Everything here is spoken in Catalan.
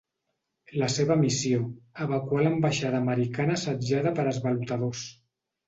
La seva missió: evacuar l'ambaixada americana assetjada per esvalotadors.